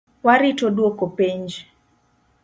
Warito duoko penj